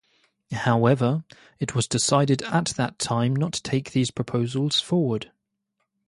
However, it was decided at that time not to take these proposals forward.